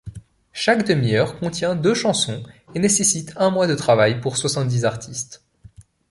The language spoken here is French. Chaque demi-heure contient deux chansons et nécessite un mois de travail pour soixante-dix artistes.